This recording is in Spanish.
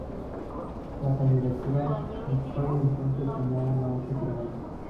La candidatura de Frei entonces tomó un auge tremendo.